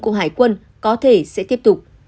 của hải quân có thể sẽ tiếp tục